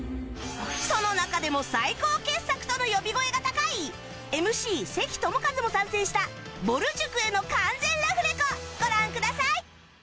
その中でも最高傑作との呼び声が高い ＭＣ 関智一も参戦したぼる塾への完全ラフレコご覧ください